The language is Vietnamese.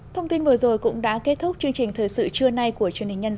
thông tin vừa rồi cũng đã kết thúc